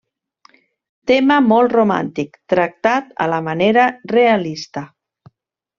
Tema molt romàntic, tractat a la manera realista.